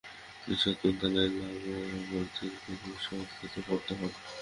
তিনি সপ্তম দলাই লামা কর্ত্রিক ভিক্ষুর শপথ প্রাপ্ত হন।